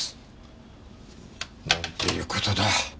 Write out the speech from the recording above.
なんていう事だ。